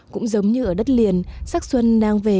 cũng giống như ở đất liền sắc xuân đang về